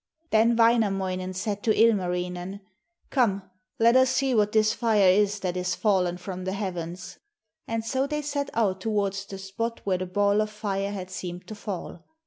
Then Wainamoinen said to Ilmarinen: 'Come, let us see what this fire is that is fallen from the heavens.' And so they set out towards the spot where the ball of fire had seemed to fall.